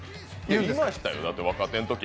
いましたよ、若手のとき。